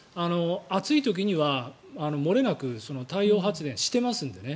暑い時にはもれなく太陽発電していますのでね。